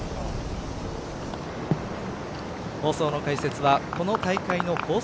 放送の解説はこの大会のコース